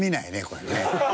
これね。